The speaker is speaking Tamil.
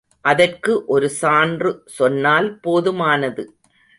அதற்கு ஒரு சான்று சொன்னால் போதுமானது.